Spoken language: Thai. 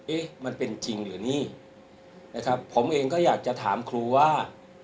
เอ๊ะมันเป็นจริงหรือนี่นะครับผมเองก็อยากจะถามครูว่า